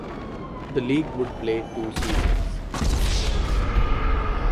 The league would play two seasons.